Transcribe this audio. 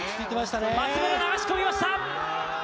松村、流し込みました。